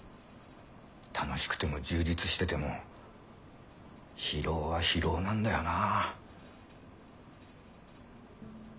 楽しくても充実してても疲労は疲労なんだよな。